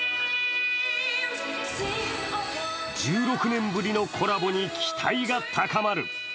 １６年ぶりのコラボに期待が高まる。